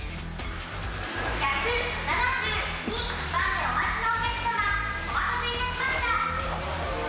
１７２番でお待ちのお客様、お待たせいたしました。